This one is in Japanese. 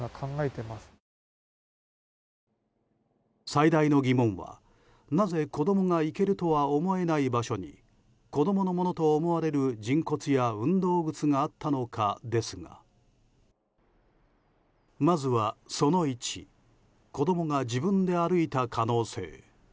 最大の疑問は、なぜ子供が行けるとは思えない場所に子供のものと思われる人骨や運動靴があったのかですがまずは、その１子供が自分で歩いた可能性。